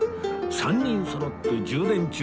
３人そろって充電中！